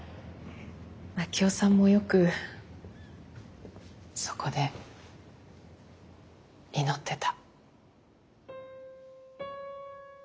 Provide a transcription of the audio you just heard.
真樹夫さんもよくそこで祈ってた。